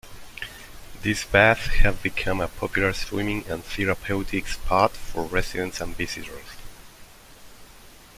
These baths have become a popular swimming and therapeutic spot for residents and visitors.